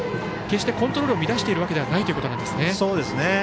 決してコントロールを乱しているわけではないということですね。